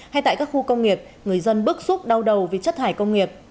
hay tại các khu công nghiệp người dân bức xúc đau đầu vì chất thải công nghiệp